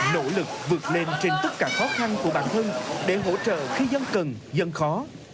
nỗ lực vượt lên trên tất cả khó khăn của bản thân để hỗ trợ khi dân cần dân khó